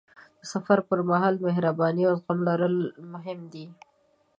د سفر پر مهال مهرباني او زغم لرل مهم دي.